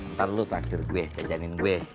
ntar lu takdir gue jajanin gue